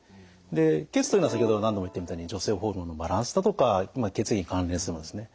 で血というのは先ほど何度も言ったみたいに女性ホルモンのバランスだとか血液に関連するものですね。